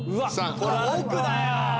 これ億だよ！